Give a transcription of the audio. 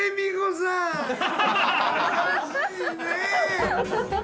優しいね。